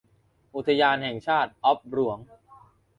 อุทยานแห่งชาติออบหลวง